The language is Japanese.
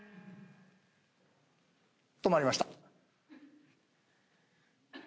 止まりました。